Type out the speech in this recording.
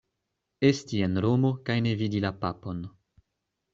Esti en Romo kaj ne vidi la Papon.